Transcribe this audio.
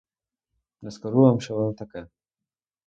Не скажу вам, що воно таке!